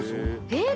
えっ？